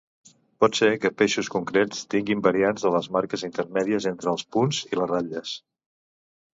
Pot ser que peixos concrets tinguin variants de les marques intermèdies entre els punts i les ratlles.